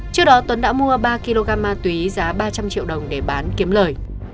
trước đó tuấn đã mua ba kg ma túy giá ba trăm linh triệu đồng để bán kiếm lời